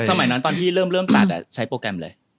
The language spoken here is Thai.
สมัยนั้นตอนที่เริ่มตัดใช้โปรแกรมเลย